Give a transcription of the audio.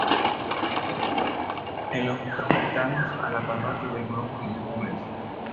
En los pueblos cercanos a la parroquia hay algunos pequeños comercios.